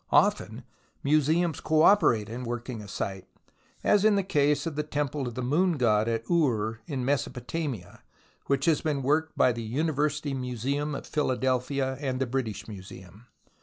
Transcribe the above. Often museums co operate in working a site, as in the case of the Temple of the Moon God at Ur, in Mesopotamia, which has been worked by the University Museum of Phila delphia and the British Museum.